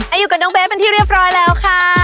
อยู่กับน้องเบสเป็นที่เรียบร้อยแล้วค่ะ